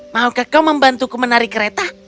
maukah kau membantuku menarik kereta